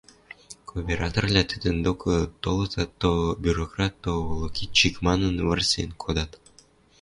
кооператорвлӓ тӹдӹн докы толытат, то бюрократ, то волокитчик манын, вырсен кодат.